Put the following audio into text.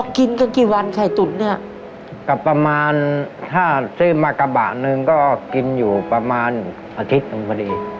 กินกันกี่วันไข่ตุ๋นเนี่ยก็ประมาณถ้าซื้อมากระบะหนึ่งก็กินอยู่ประมาณอาทิตย์หนึ่งพอดี